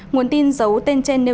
nguồn tin giấu tên trên nêu rõ